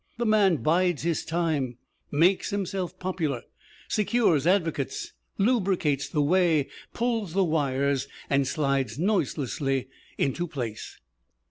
The man bides his time, makes himself popular, secures advocates, lubricates the way, pulls the wires, and slides noiselessly into place.